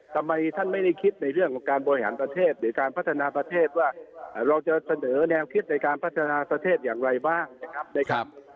ทำไมท่านไม่ได้คิดในเรื่องของการบริหารประเทศหรือการพัฒนาประเทศว่าเราจะเสนอแนวคิดในการพัฒนาประเทศอย่างไรบ้างนะครับ